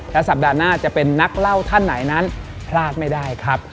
และสัปดาห์หน้าจะเป็นนักเล่าท่านไหนนั้นพลาดไม่ได้ครับ